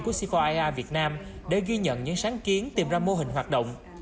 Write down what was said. của c bốn ia việt nam để ghi nhận những sáng kiến tìm ra mô hình hoạt động